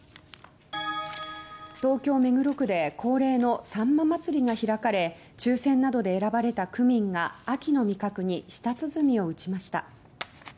東京・目黒区で恒例のさんま祭が開かれ抽選などで選ばれた区民が秋の味覚に舌鼓を打ちました。